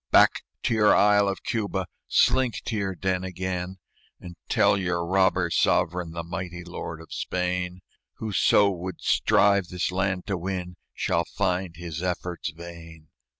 "Back to your isle of Cuba! Slink to your den again, And tell your robber sovereign, The mighty lord of Spain, Whoso would strive this land to win Shall find his efforts vain.